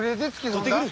取っでくる。